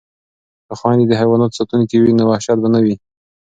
که خویندې د حیواناتو ساتونکې وي نو وحشت به نه وي.